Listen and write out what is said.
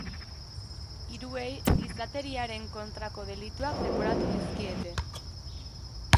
Hiruei gizateriaren kontrako delituak leporatu dizkiete.